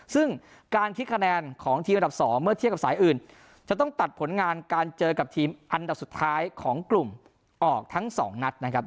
ซึ่งการคิดคะแนนของทีมอันดับ๒เมื่อเทียบกับสายอื่นจะต้องตัดผลงานการเจอกับทีมอันดับสุดท้ายของกลุ่มออกทั้งสองนัดนะครับ